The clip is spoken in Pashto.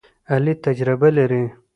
علي تجربه لري.